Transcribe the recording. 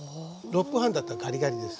６分半だったらガリガリです。